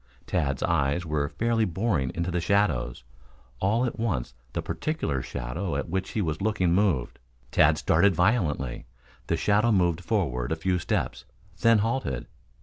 Tad's eyes were fairly boring into the shadows. All at once the particular shadow at which he was looking moved. Tad started violently. The shadow moved forward a few steps, then halted.